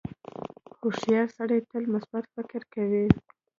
• هوښیار سړی تل مثبت فکر کوي.